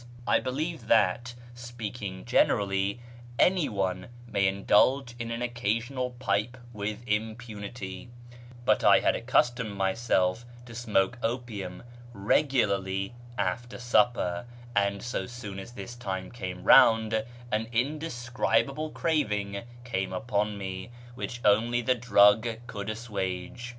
I believe that, speaking generally, anyone may indulge in an occasional j^ipe with impunity ; but I had accustomed myself to smoke opium regularly after supper, and so soon as this time came round, an indescribable craving came upon me, which only the drug could assuage.